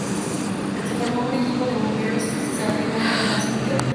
Se formó un equipo de bomberos, se abrió una farmacia y un teatro.